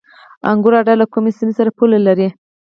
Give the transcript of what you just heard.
انګور اډه له کومې سیمې سره پوله لري؟